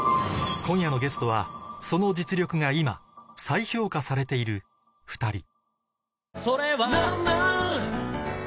今夜のゲストはその実力が今再評価されている２人